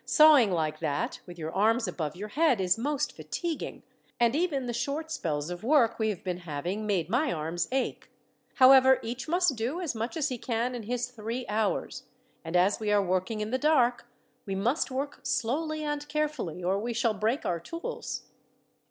Sawing like that, with your arms above your head, is most fatiguing; and even the short spells of work we have been having made my arms ache. However, each must do as much as he can in his three hours; and as we are working in the dark, we must work slowly and carefully, or we shall break our tools."